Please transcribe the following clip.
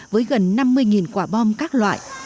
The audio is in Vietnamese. với gần năm mươi quả bom các loại